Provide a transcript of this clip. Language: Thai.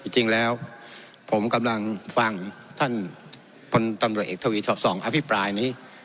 จริงแล้วผมกำลังฟังท่านพลตำรวจเอกทวีสอดส่องอภิปรายนี้